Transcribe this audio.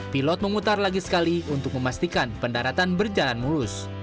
pilot memutar lagi sekali untuk memastikan pendaratan berjalan mulus